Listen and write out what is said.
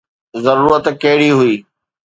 ضرورت ڪهڙي هئي؟